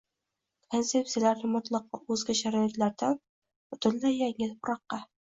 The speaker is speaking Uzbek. konsepsiyalarni mutloqo o‘zga sharoitlardan butunlay yangi “tuproqqa”